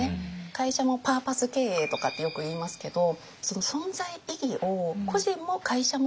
会社もパーパス経営とかってよくいいますけどその存在意義を個人も会社も求めてる。